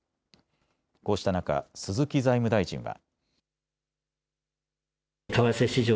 こうした中、鈴木財務大臣は。